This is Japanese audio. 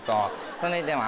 それでは。